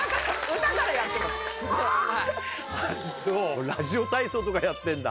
あっそうラジオ体操とかやってんだ。